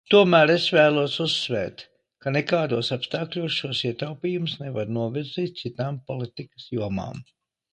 Tomēr es vēlos uzsvērt, ka nekādos apstākļos šos ietaupījumus nevar novirzīt citām politikas jomām.